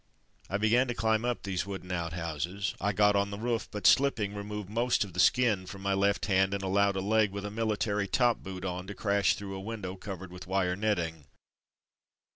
I began to climb up these wooden out houses. I got on the roof, but slipping, re moved most of the skin from my left hand, and allowed a leg with a military top boot on to crash through a window covered with wire netting.